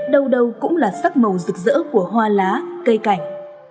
đâu đâu cũng là sắc màu rực rỡ của hoa lá cây cảnh